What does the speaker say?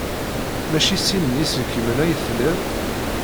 Maci sin n yiselkimen ay tlid?